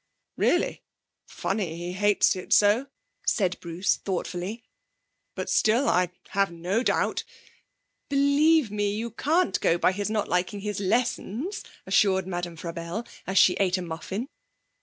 'Really! Funny he hates it so,' said Bruce thoughtfully. 'But still, I have no doubt ' 'Believe me, you can't go by his not liking his lessons,' assured Madame Frabelle, as she ate a muffin.